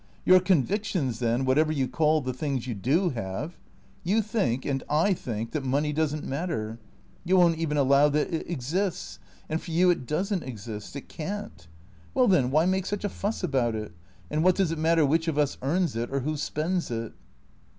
" Your convictions, then, whatever you call the things you do have. You think, and I think, that money does n't matter. You won't even allow that it exists, and for you it does n't exist, it can't. Well then, why make such a fuss about it ? And what does it matter which of us earns it, or who spends it